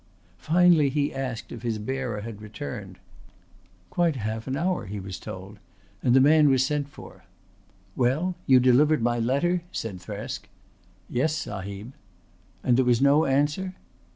Finally he asked if his bearer had returned. Quite half an hour he was told, and the man was sent for. "Well? You delivered my letter?" said Thresk. "Yes, Sahib." "And there was no answer?"